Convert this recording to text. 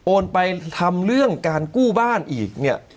ไปทำเรื่องการกู้บ้านอีกเนี่ย